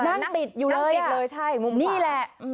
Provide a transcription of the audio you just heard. นั่งติดอยู่เลยนี่แหละ